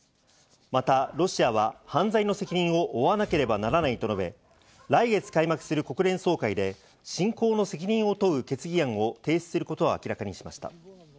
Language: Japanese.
またロシアは犯罪の責任を負わなければならないと述べ、来月開幕する国連総会で侵攻の責任を問う決議案を提出することを明らかにしました。